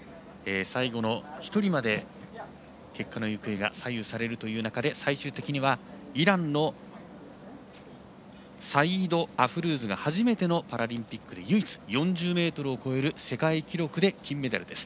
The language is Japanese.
最後の１人まで、結果の行方が左右されるという中で最終的にはイランのサイード・アフルーズが初めてのパラリンピックで唯一４０ｍを超える世界記録で金メダルです。